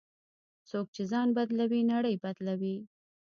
څوک چې ځان بدلوي، نړۍ بدلوي.